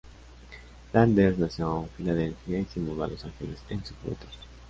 Landers nació en Filadelfia y se mudó a Los Ángeles en su juventud.